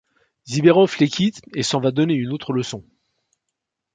Zibérov les quitte et s’en va donner une autre leçon.